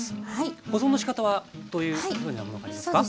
保存のしかたはどういうふうなものがありますか？